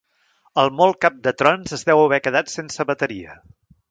El molt cap de trons es deu haver quedat sense bateria.